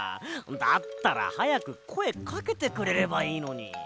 だったらはやくこえかけてくれればいいのに。